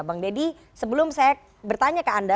bang deddy sebelum saya bertanya ke anda